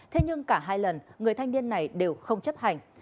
thế nhưng cả hai lần người thanh niên này đều không chấp hành